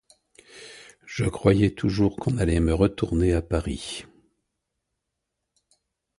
Je croyais toujours qu'on allait me retourner à Paris.